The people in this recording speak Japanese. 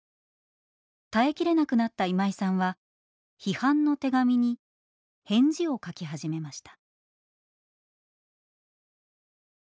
耐えきれなくなった今井さんは批判の手紙に返事を書き始めました。